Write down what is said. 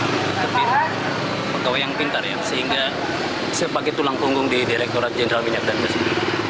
dan dia itu pegawai yang pintar ya sehingga saya pakai tulang punggung di direkturat jenderal minyak dan masjid